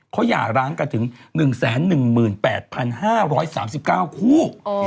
เขาหย่าร้างกันถึง๑๑๘๕๓๙คู่